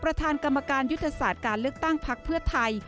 ประธานกรรมการยุทธศาสตร์การเลือกตั้งพักเพื่อไทย